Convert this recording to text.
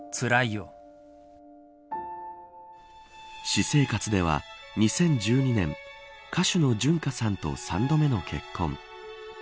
私生活では２０１２年、歌手の純歌さんと３度目の結婚。